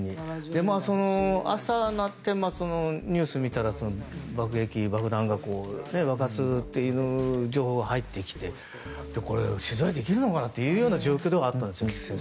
で、朝になってニュースを見たら爆撃、爆弾が爆発するという情報が入ってきて取材できるのかなという状況ではあったんです。